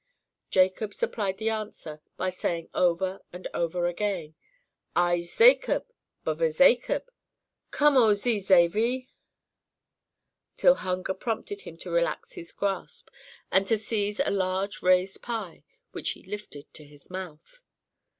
Jacob supplied the answer by saying over and over again— "I'se Zacob, b'other Zacob. Come 'o zee Zavy"—till hunger prompted him to relax his grasp, and to seize a large raised pie, which he lifted to his mouth.